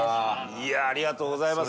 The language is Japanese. いやあありがとうございます。